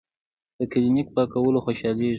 پۀ کلینک پاکولو خوشالیږي ـ